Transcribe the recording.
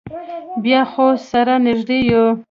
بیا خو سره نږدې یو.